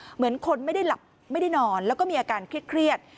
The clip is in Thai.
เหมือนคนไม่ได้หลับไม่ได้นอนแล้วก็มีอาการเครียด